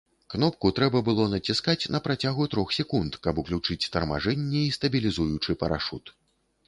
Кнопку трэба было націскаць на працягу трох секунд, каб уключыць тармажэнне і стабілізуючы парашут.